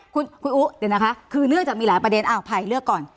คุณอู๋เดี๋ยวนะคะคือเรื่องจะมีหลายประเด็นอ้าวไผ่เลือกก่อน